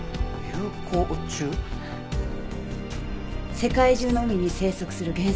世界中の海に生息する原生